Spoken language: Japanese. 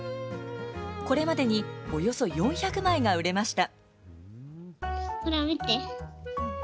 これまでにおよそ４００枚が売れました。